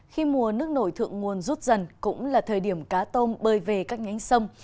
khi mùa nước nổi thượng nguồn rút dần cũng là thời điểm cá tôm bơi về các nhánh sông